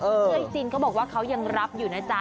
เออเท่าไหร่จิ้นเขาบอกว่าเขายังรับอยู่นะจ๊ะ